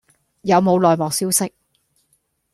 有冇內幕消息